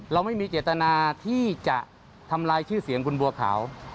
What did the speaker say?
เราไม่มีเจตนาที่จะทำลายชื่อเสียงคุณบัวขาว